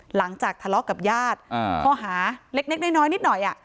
หลังจากทะเลาะกับญาติข้อหาเล็กน้อยนิดหน่อย